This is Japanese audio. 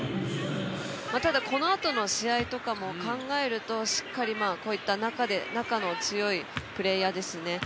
ただ、このあとの試合とかも考えるとしっかり、こういった中の強いプレーヤーですね。